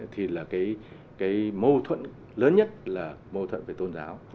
thì là cái mâu thuẫn lớn nhất là mâu thuẫn về tôn giáo